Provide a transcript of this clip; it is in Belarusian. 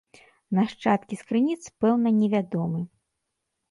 Нашчадкі з крыніц пэўна не вядомы.